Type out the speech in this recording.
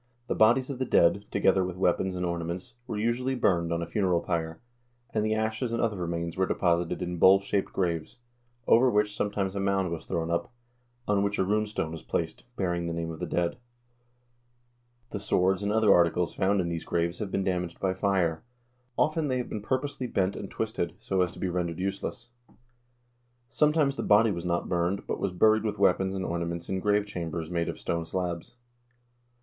The bodies of the dead, together with weapons and ornaments, were usually burned on a funeral pyre, and the ashes and other remains were deposited in bowl shaped graves, over which some times a mound was thrown up, on which a rune stone was placed, bearing the name of the dead. The swords and other articles found in these graves have been damaged by fire ; often they have been purposely bent and twisted, so as to be rendered useless. Sometimes the body was not burned, but was buried with weapons and ornaments in grave cham bers made of stone slabs.